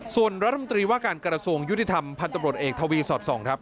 ส่วนรัฐมนตรีว่าการกระทรวงยุติธรรมพันธบรวจเอกทวีสอดส่องครับ